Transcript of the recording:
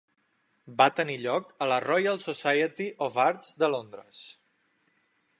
Va tenir lloc a la Royal Society of Arts de Londres.